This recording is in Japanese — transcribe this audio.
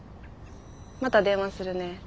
また電話するね。